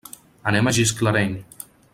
Anem a Gisclareny.